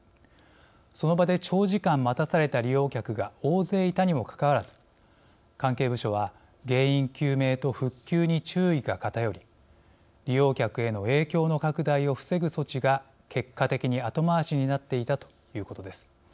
その場で長時間待たされた利用客が大勢いたにもかかわらず関係部署は原因究明と復旧に注意が偏り利用客への影響の拡大を防ぐ措置が結果的に後回しになっていたということです。